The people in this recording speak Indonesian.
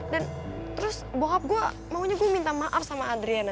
dan terus bokap gua maunya gua minta maaf sama adriana